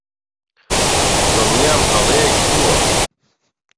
دڵنیام هەڵەیەک بووە.